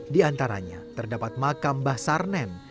di antaranya terdapat makam bah sarnen